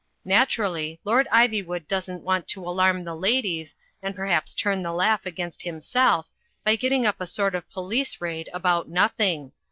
Natur ally, Lord Ivywood doesn't want to alarm the ladies and perhaps turn the laugh against himself, by getting up a sort of police raid about nothing.